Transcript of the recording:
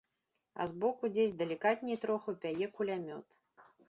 А збоку дзесь далікатней троху пяе кулямёт.